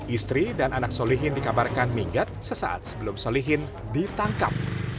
istri dan anak solihin dikabarkan minggat sesaat sebelum solihin ditangkap